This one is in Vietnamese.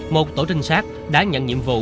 một tổ trinh sát đã nhận nhiệm vụ